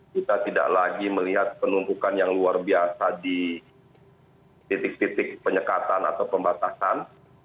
kita tidak lagi melihat penumpukan yang luar biasa di titik titik penyekatan atau pembatasan